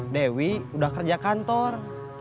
dewi udah kerja kantor